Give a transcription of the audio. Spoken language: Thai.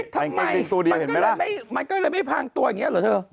ทำไงมันก็เลยไม่พังตัวแบบนี้หรอเธอ